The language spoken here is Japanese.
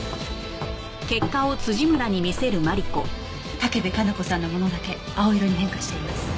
武部可奈子さんのものだけ青色に変化しています。